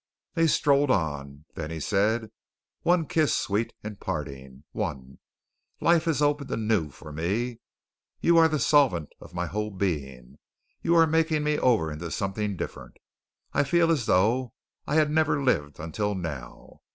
They strolled on. Then he said: "One kiss, sweet, in parting. One. Life has opened anew for me. You are the solvent of my whole being. You are making me over into something different. I feel as though I had never lived until now.